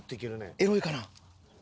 エロいかな？